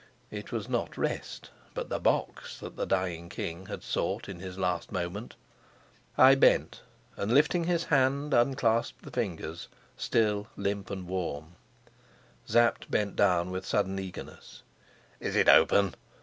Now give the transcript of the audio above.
It was not rest, but the box that the dying king had sought in his last moment. I bent, and lifting his hand unclasped the fingers, still limp and warm. Sapt bent down with sudden eagerness. "Is it open?"